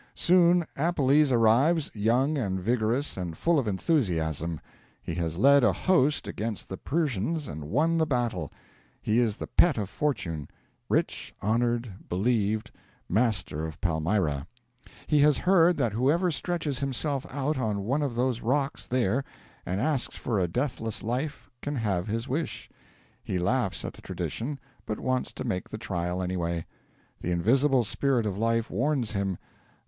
Soon Appelles arrives, young and vigorous and full of enthusiasm: he has led a host against the Persians and won the battle; he is the pet of fortune, rich, honoured, believed, 'Master of Palmyra'. He has heard that whoever stretches himself out on one of those rocks there and asks for a deathless life can have his wish. He laughs at the tradition, but wants to make the trial anyway. The invisible Spirit of Life warns him!